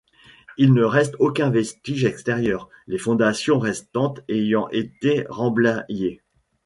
Il ne reste aucun vestige extérieur, les fondations restantes ayant été remblayées.